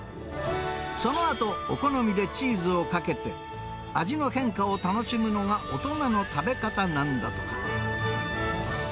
そのあと、お好みでチーズをかけて、味の変化を楽しむのが大人の食べ方なんだとか。